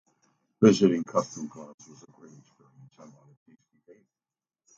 Visiting Custom Cloudz was a great experience. I bought a tasty Vape.